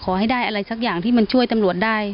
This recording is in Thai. ขอให้ได้อะไรสักอย่างที่มันช่วยตำรวจได้